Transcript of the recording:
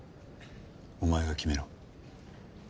お前が決めろ。